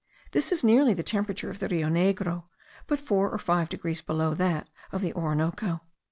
This is nearly the temperature of the Rio Negro, but four or five degrees below that of the Orinoco.